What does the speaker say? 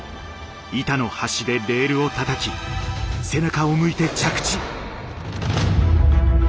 板の端でレールをたたき背中を向いて着地。